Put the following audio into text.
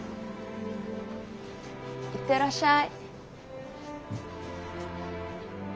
行ってらっしゃい。